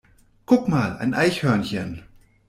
Guck mal, ein Eichhörnchen!